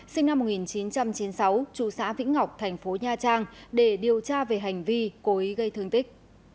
sinh năm một nghìn chín trăm chín mươi sáu trụ xã vĩnh ngọc thành phố nha trang để điều tra về hành vi cố ý gây thương tích